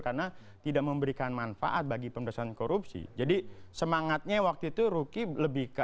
karena tidak memberikan manfaat bagi pemerintahan korupsi jadi semangatnya waktu itu ruki lebih ke